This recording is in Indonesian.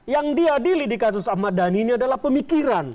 yang diadili di kasus ahmad dhani ini adalah pemikiran